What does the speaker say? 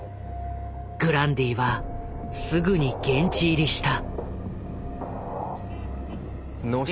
グランディはすぐに現地入りした。